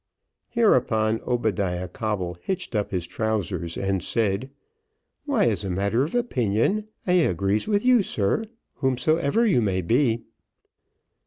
Hereupon, Obadiah Coble hitched up his trousers, and said, "Why, as a matter of opinion, I agrees with you, sir, whomsoever you may be."